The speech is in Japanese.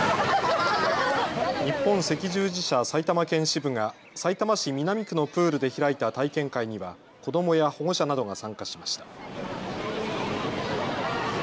日本赤十字社埼玉県支部がさいたま市南区のプールで開いた体験会には子どもや保護者などが参加しました。